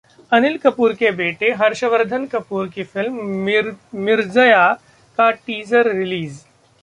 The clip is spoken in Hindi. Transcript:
अनिल कपूर के बेटे हर्षवर्धन कपूर की फिल्म 'मिर्जया' का टीजर रिलीज